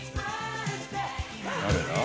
誰だ？